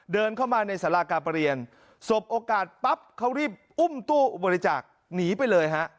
เดินเข้ามาในสาราการประเรียนสบโอกาสปั๊บเขารีบอุ้มตู้บริจาคหนีไปเลยฮะ